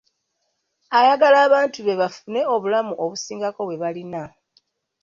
Ayagala abantu be bafune obulamu obusingako bwe balina.